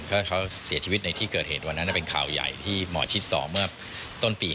ถ้าเขาเสียชีวิตในที่เกิดเหตุวันนั้นเป็นข่าวใหญ่ที่หมอชิดสอบเมื่อต้นปี